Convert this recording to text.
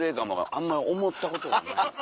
あんま思ったことがない。